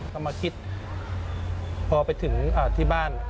ก็มาคิดพอไปถึงที่บ้าน